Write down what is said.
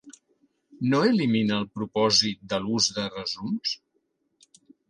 No elimina el propòsit de l'ús de resums?